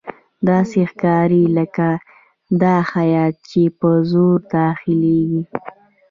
داسې ښکاري لکه دا هیات چې په زور داخليږي.